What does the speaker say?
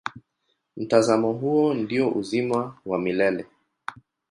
Mtazamo huo ndio uzima wa milele.